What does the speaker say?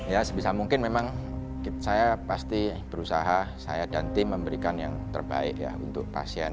ya sebisa mungkin memang saya pasti berusaha saya dan tim memberikan yang terbaik ya untuk pasien